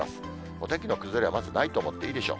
お天気の崩れは、まずないと思っていいでしょう。